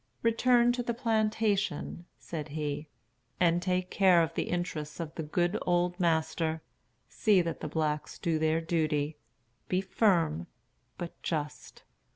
"Return to the plantation," said he, "and take care of the interests of the good old master. See that the blacks do their duty. Be firm, but just.